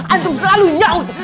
antum selalu nyaut